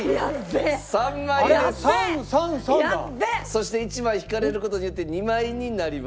そして１枚引かれる事によって２枚になります。